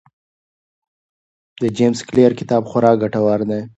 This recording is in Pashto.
د جیمز کلیر کتاب خورا ګټور دی.